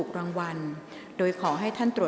ออกรางวัลเลขหน้า๓ตัวครั้งที่๒